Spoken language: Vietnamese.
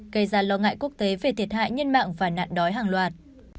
gây ra lo ngại quốc tế về thiệt hại nhân mạng và nạn đói hàng loạt